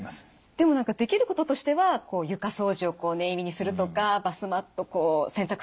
でも何かできることとしては床掃除を念入りにするとかバスマットこう洗濯するとか。